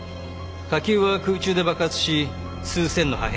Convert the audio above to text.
火球は空中で爆発し数千の破片